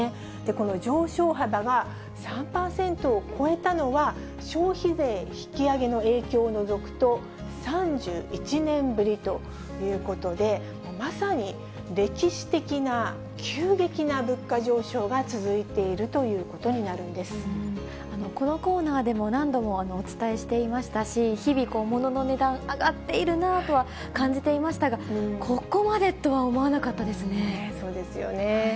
この上昇幅が３％を超えたのは、消費税引き上げの影響を除くと、３１年ぶりということで、まさに歴史的な急激な物価上昇が続いているということになるんでこのコーナーでも何度もお伝えしていましたし、日々、ものの値段、上がっているなとは感じていましたが、ここまでとはそうですよね。